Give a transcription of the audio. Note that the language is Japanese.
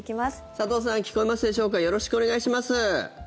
佐藤さん聞こえますでしょうかよろしくお願いします。